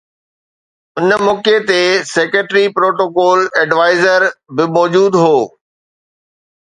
ان موقعي تي secretary protocol adviser به موجود هو